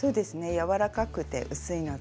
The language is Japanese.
柔らかくて薄いので。